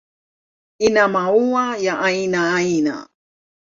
Ina maua ya aina aina.